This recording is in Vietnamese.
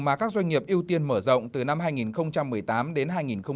mà các doanh nghiệp ưu tiên mở rộng từ năm hai nghìn một mươi tám đến hai nghìn hai mươi